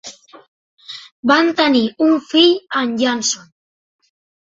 Van tenir un fill, en Jason.